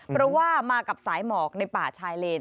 เพราะว่ามากับสายหมอกในป่าชายเลน